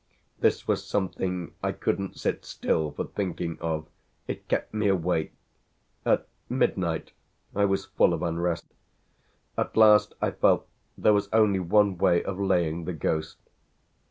This was something I couldn't sit still for thinking of; it kept me awake at midnight I was full of unrest. At last I felt there was only one way of laying the ghost.